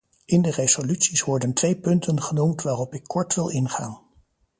In de resoluties worden twee punten genoemd waarop ik kort wil ingaan.